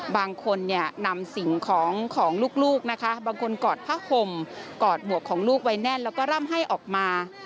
บางคนเนี่ยนำสิ่งของของลูกนะคะบางคนกอดผ้าห่มกอดหมวกของลูกไว้แน่นแล้วก็ร่ำให้ออกมา